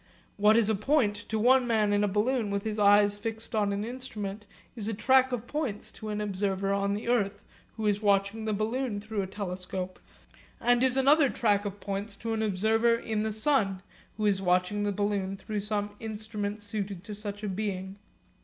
What is a point to one man in a balloon with his eyes fixed on an instrument is a track of points to an observer on the earth who is watching the balloon through a telescope, and is another track of points to an observer in the sun who is watching the balloon through some instrument suited to such a being.